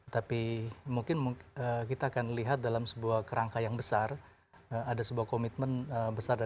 tapi mungkin kita akan lihat dalam sebuah kerangka yang besar